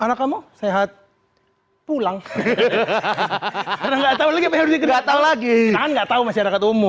anak kamu sehat pulang hahaha nggak tahu lagi nggak tahu lagi nggak tahu masyarakat umum